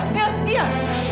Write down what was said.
kau yang serahkan dia